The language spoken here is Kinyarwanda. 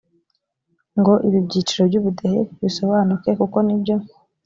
ngo ibi byiciro by’ubudehe bisobanuke kuko ni byo